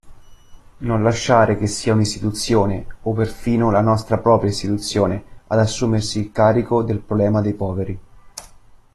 Non lasciare che sia un'istituzione, o perfino la nostra propria istituzione, ad assumersi il carico del problema dei poveri.